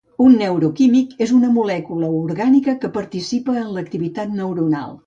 Un neuroquímic és una molècula orgànica que participa en l'activitat neuronal.